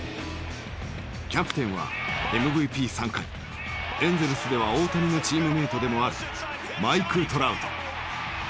キャプテンはＭＶＰ３回エンゼルスでは大谷のチームメートでもあるマイク・トラウト。